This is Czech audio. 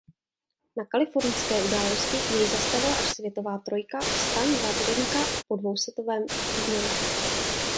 Na kalifornské události jej zastavila až světová trojka Stan Wawrinka po dvousetovém průběhu.